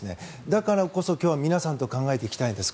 だからこそ今日は皆さんと考えていきたいんです。